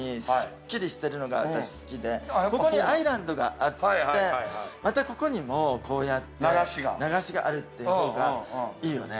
ここにアイランドがあってまたここにもこうやって流しがあるっていう方がいいよね。